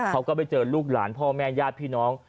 เขาก็ไปเจอลูกหลานพ่อแม่ญาติพี่น้อง